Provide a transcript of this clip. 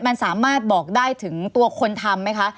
มันสามารถบอกได้ถึงตัวคนทำไหมคะ